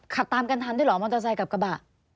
ขับตามกันทันด้วยเหรอมอเตอร์ไซค์กับกระบะ